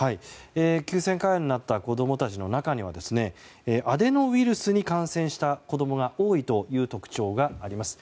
急性肝炎になった子供たちの中にはアデノウイルスに感染した子供が多いという特徴があります。